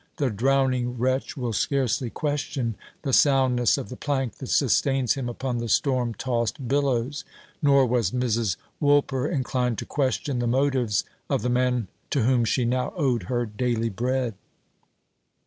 The drowning wretch will scarcely question the soundness of the plank that sustains him upon the storm tossed billows; nor was Mrs. Woolper inclined to question the motives of the man to whom she now owed her daily bread.